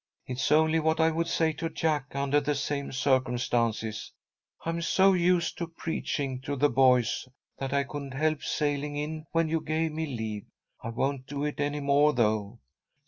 It's only what I would say to Jack under the same circumstances. I'm so used to preaching to the boys that I couldn't help sailing in when you gave me leave. I won't do it any more, though.